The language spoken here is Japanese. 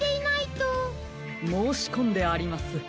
もうしこんであります。